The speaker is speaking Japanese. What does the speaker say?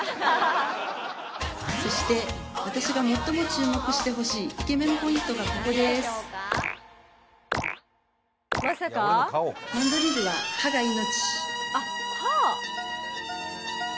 そして私が最も注目してほしいイケメンポイントがここですあかわいい！